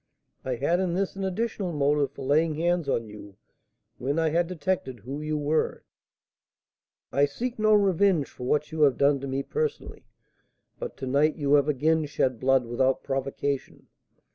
I had in this an additional motive for laying hands on you when I had detected who you were. I seek no revenge for what you have done to me personally, but to night you have again shed blood without provocation.